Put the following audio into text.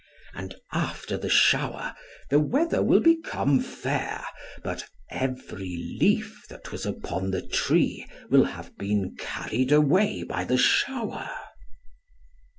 And after the shower, the weather will become fair; but every leaf that was upon the tree will have been carried away by the shower.